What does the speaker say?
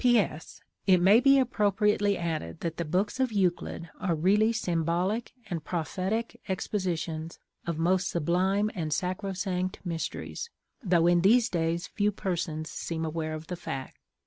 P. S.—It may be appropriately added that the books of Euclid are really symbolic and prophetic expositions of most sublime and sacrosanct mysteries, though in these days few persons seem aware of the fact.